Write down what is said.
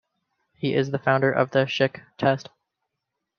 He is the founder of the Schick test.